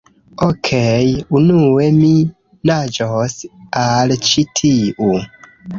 Okej. Unue mi naĝos al ĉi tiu...